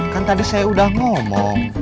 kan tadi saya udah ngomong